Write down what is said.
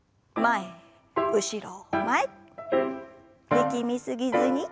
力み過ぎずに。